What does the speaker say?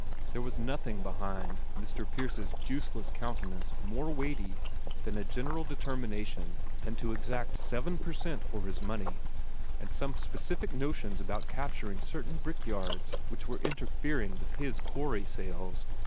There was nothing behind Mr. Pierce's juiceless countenance more weighty than a general determination to exact seven per cent for his money, and some specific notions about capturing certain brickyards which were interfering with his quarry sales.